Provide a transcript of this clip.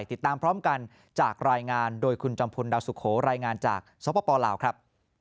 ติดตามพร้อมกันจากรายงานโดยคุณจอมพลดาวสุโขรายงานจากสปลาวครับ